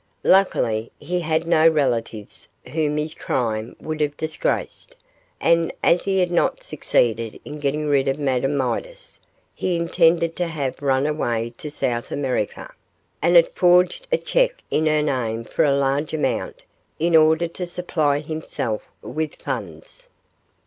Luckily, he had no relatives whom his crime would have disgraced, and as he had not succeeded in getting rid of Madame Midas, he intended to have run away to South America, and had forged a cheque in her name for a large amount in order to supply himself with funds.